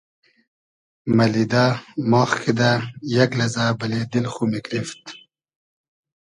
مئلیدۂ ماخ کیدۂ یئگ لئزۂ بئلې دیل خو میگریفت